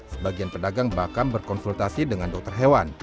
sebagian pedagang bahkan berkonsultasi dengan dokter hewan